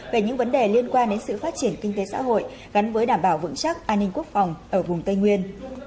về những vấn đề liên quan đến sự phát triển kinh tế xã hội gắn với đảm bảo vững chắc an ninh quốc phòng ở vùng tây nguyên